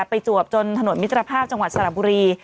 จวบจนถนนมิตรภาพจังหวัดสระบุรี